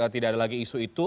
tidak ada lagi isu itu